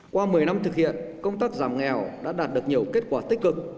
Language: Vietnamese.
qua một mươi năm thực hiện công tác giảm nghèo đã đạt được nhiều kết quả tích cực